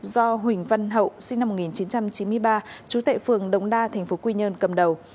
do huỳnh văn hậu sinh năm một nghìn chín trăm chín mươi ba trú tại phường đống đa tp quy nhơn cầm đầu